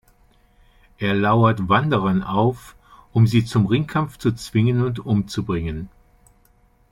Er lauert Wanderern auf, um sie zum Ringkampf zu zwingen und umzubringen.